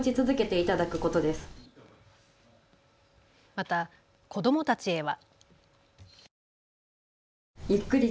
また、子どもたちへは。